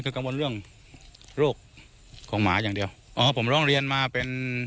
คือกังวลเรื่องโรคของหมาอย่างเดียวอ๋อผมร้องเรียนมาเป็น